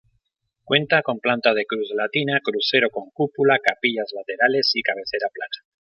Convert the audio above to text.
Cuenta con planta de cruz latina, crucero con cúpula, capillas laterales y cabecera plana.